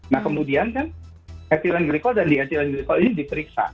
nah kemudian kan ethylene glycol dan diethylene glikol ini diperiksa